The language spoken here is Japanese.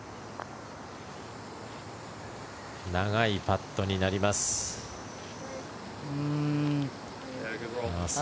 長いパットになります。